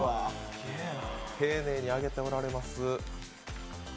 丁寧に揚げておられます。